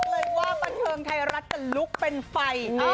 เลยว่าบันเทิงไทยรัฐจะลุกเป็นไฟ